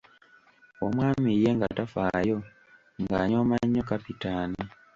Omwami ye nga tafaayo; ng'anyooma nnyo Kapitaani.